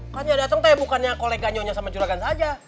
kan nyari aseng teh bukannya koleganyonya sama juragan saja